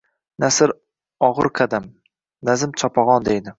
Nasr o‘gir qadam, nazm chopag‘on deydi.